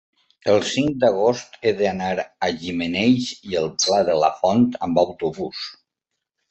el cinc d'agost he d'anar a Gimenells i el Pla de la Font amb autobús.